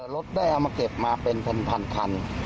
รถได้เอามาเก็บมาเป็นพันคัน